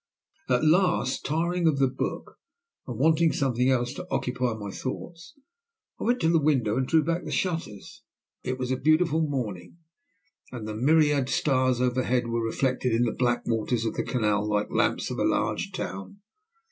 At last, tiring of the book and wanting something else to occupy my thoughts, I went to the window and drew back the shutters. It was a beautiful morning, and the myriad stars overhead were reflected in the black waters of the canal like the lamps of a large town.